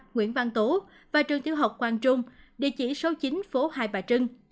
nguyễn văn tố và trường tiêu học quang trung địa chỉ số chín phố hai bà trưng